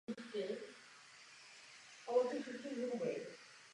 Byl židovského vyznání.